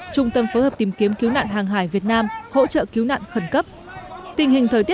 trung tâm phối hợp tìm kiếm cứu nạn hàng hải việt nam hỗ trợ cứu nạn khẩn cấp tình hình thời tiết